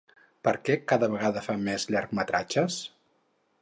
Per què cada vegada fa més llargmetratges?